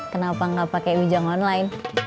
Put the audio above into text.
kenapa nggak pakai wijang online